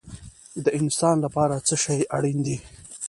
د انسان لپاره څه شی اړین دی؟